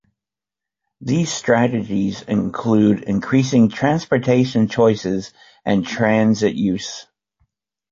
These strategies include increasing transportation choices and transit use.